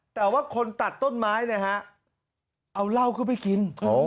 แต่ว่าคนตัดต้นไม้เอาเหล้ากลับไปกิน